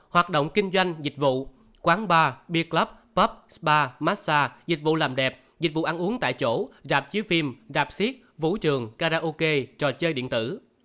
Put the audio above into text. hoạt động kinh doanh dịch vụ quán bar beer club pop spa massage dịch vụ làm đẹp dịch vụ ăn uống tại chỗ rạp chiếu phim rạp siết vũ trường karaoke trò chơi điện tử